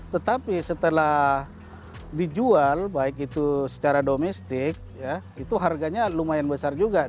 tetapi setelah dijual baik itu secara domestik itu harganya lumayan besar juga